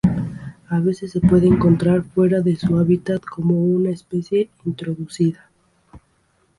A veces se puede encontrar fuera de su hábitat como una especie introducida.